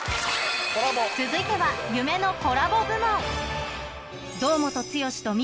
続いては夢のコラボ